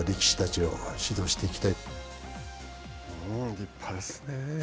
立派ですね。